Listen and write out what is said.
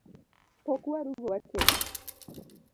Pok waru go watedi